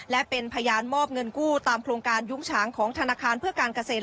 และเป็นพยานมอบเงินกู้ตามโครงการยุ้งฉางของธนาคารเพื่อการเกษตร